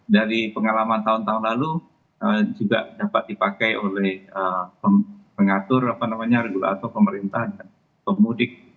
dari pengalaman tahun tahun lalu juga dapat dipakai oleh pengatur regulator pemerintah dan pemudik